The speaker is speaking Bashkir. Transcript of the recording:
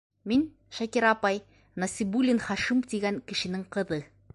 Мин, Шакира апай, Насибуллин Хашим тигән кешенең ҡыҙы.